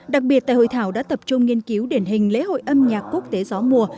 đặc biệt tại hội thảo đã tập trung nghiên cứu điển hình lễ hội âm nhạc quốc tế gió mùa